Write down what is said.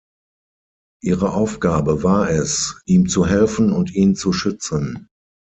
Ihre Aufgabe war es, ihm zu helfen und ihn zu schützen.